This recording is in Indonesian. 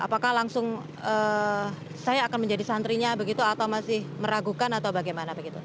apakah langsung saya akan menjadi santrinya begitu atau masih meragukan atau bagaimana begitu